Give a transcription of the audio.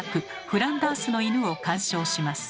「フランダースの犬」を鑑賞します。